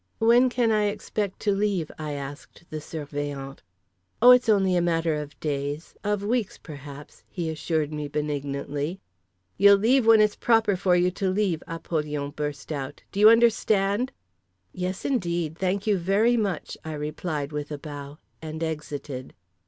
"When can I expect to leave?" I asked the Surveillant. "Oh, it's only a matter of days, of weeks perhaps," he assured me benignantly. "You'll leave when it's proper for you to leave!" Apollyon burst out. "Do you understand?" "Yes, indeed. Thank you very much," I replied with a bow, and exited.